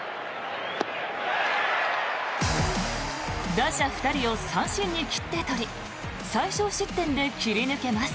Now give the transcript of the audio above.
打者２人を三振に切って取り最少失点で切り抜けます。